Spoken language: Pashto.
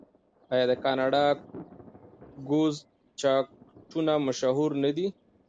آیا د کاناډا ګوز جاکټونه مشهور نه دي؟